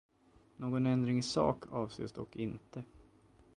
Någon ändring i sak avses dock inte.